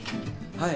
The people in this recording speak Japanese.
はい。